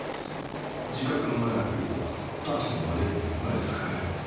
自覚のない悪意ほどタチの悪いものないですからね。